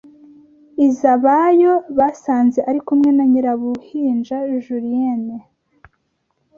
izabayo basanze ari kumwe na Nyirabuhinja Julienne